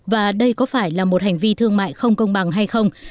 và đây có phải là một hành vi thương mại không công bằng hay không